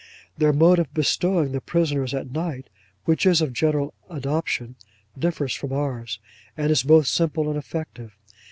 Their mode of bestowing the prisoners at night (which is of general adoption) differs from ours, and is both simple and effective.